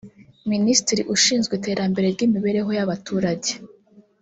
Minisitiri ushinzwe iterambere ry’imibereho y’abaturage